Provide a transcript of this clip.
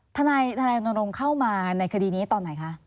ทนายรณรงค์เข้ามาในคดีนี้ตอนไหนคะ